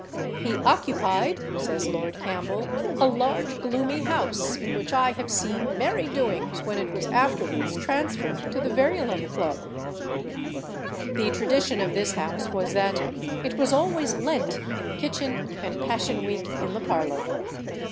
"He occupied," says Lord Campbell, "a large gloomy house, in which I have seen merry doings when it was afterwards transferred to the Verulam Club." The tradition of this house was that "it was always Lent in the kitchen and Passion Week in the parlour."